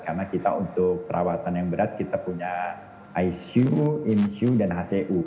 karena kita untuk perawatan yang berat kita punya icu incu dan hcu